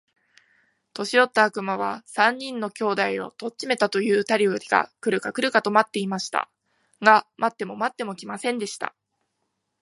年よった悪魔は、三人の兄弟を取っちめたと言うたよりが来るか来るかと待っていました。が待っても待っても来ませんでした。